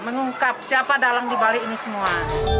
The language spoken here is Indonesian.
mengungkap siapa dalang di bali ini semua